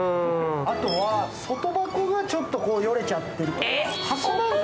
あとは外箱がちょっとよれちゃってるとか。